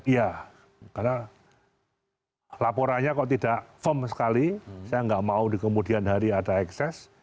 iya karena laporannya kok tidak firm sekali saya nggak mau di kemudian hari ada ekses